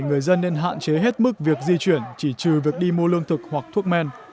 người dân nên hạn chế hết mức việc di chuyển chỉ trừ việc đi mua lương thực hoặc thuốc men